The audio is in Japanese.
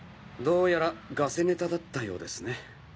どうやらガセネタだったようですね。